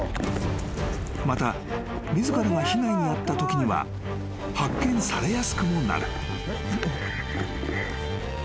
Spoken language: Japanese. ［また自らが被害に遭ったときには発見されやすくもなる］